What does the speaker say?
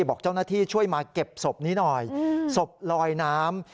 บอกเจ้าหน้าที่ช่วยมาเก็บศพนี้หน่อยศพลอยน้ำ